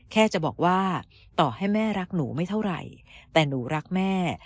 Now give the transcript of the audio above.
แค่จะบอกว่าต่อให้แม่รักหนูไม่เท่าไหร่แต่หนูรักแม่